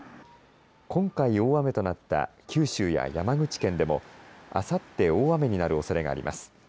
今回大雨となった九州や山口県でもあさって大雨になるおそれがあります。